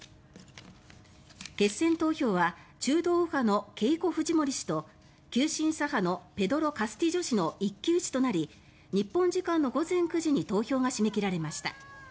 決選投票は中道右派のケイコ・フジモリ氏と急進左派のペドロ・カスティジョ氏の一騎打ちとなり日本時間の午前９時に投票が締め切られました。